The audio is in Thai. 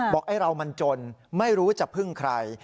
ไอ้เรามันจนไม่รู้จะพึ่งใคร